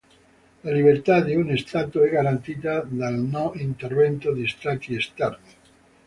La libertà di uno Stato è garantita dal non intervento di Stati esterni.